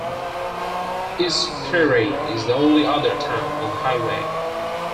East Prairie is the only other town on the highway.